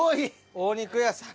お肉屋さん。